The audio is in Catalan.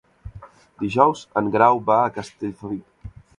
Dijous en Grau va a Castellfabib.